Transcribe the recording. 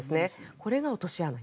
これが落とし穴１。